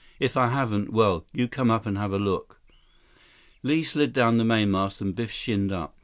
If I haven't, well—you come up and take a look." Li slid down the mast and Biff shinned up.